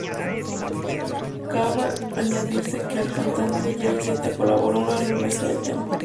Cabe añadirse que el cantante Jay-Z colaboró en una remezcla del tema.